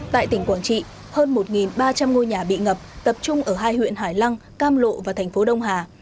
tại tỉnh quảng trị hơn một ba trăm linh ngôi nhà bị ngập tập trung ở hai huyện hải lăng cam lộ và thành phố đông hà